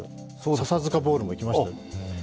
笹塚ボウルも行きましたよ。